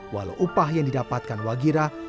walau upah yang didapatkan wagira